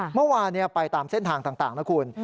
เมื่อวานไปตามเส้นทางต่างนะคุณ